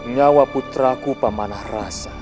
nyawa putraku pamanarasa